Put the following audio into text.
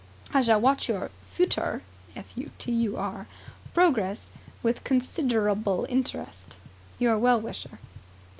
I shall watch your futur progres with considurable interest. Your Well Wisher."